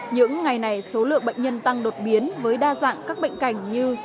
những ngày này số lượng bệnh nhân tăng đột biến với đa dạng các bệnh cảnh như